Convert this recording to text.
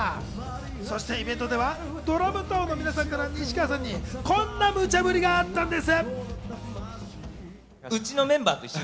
そしてイベントではＤＲＵＭＴＡＯの皆さんから西川さんにこんなムチャ振りがあったんです。